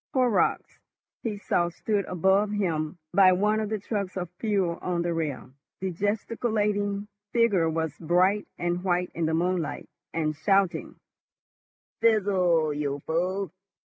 Horrocks, he saw, stood above him by one of the trucks of fuel on the rail. The gesticulating figure was bright and white in the moonlight, and shouting, "Fizzle, you fool!